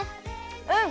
うん！